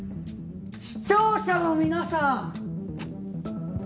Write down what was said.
視聴者の皆さん！